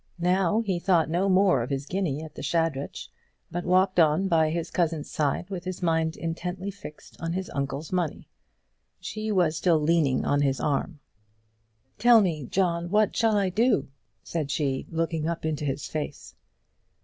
Now he thought no more of his guinea at the Shadrach, but walked on by his cousin's side with his mind intently fixed on his uncle's money. She was still leaning on his arm. "Tell me, John, what shall I do?" said she, looking up into his face.